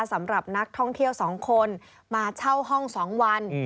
สำหรับนักท่องเที่ยว๒คนมาเช่าห้อง๒วัน